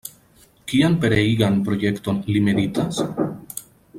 Kian pereigan projekton li meditas?